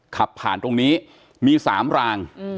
ขับผ่านตรงนี้มี๓ราง